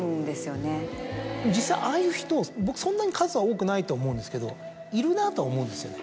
実際ああいう人僕そんなに数は多くないと思うんですけどいるなとは思うんですよね。